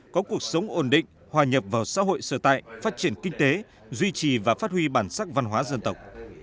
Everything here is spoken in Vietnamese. có cuộc sống ổn định hòa nhập vào xã hội sở tại phát triển kinh tế duy trì và phát huy bản sắc văn hóa dân tộc